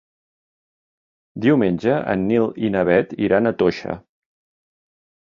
Diumenge en Nil i na Bet iran a Toixa.